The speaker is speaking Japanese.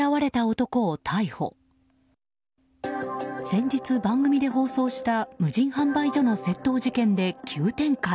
先日、番組で放送した無人販売所の窃盗事件で急展開。